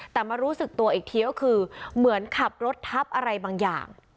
แต่มารู้สึกตัวอีกทีก็คือเหมือนขับรถทับอะไรบางอย่าง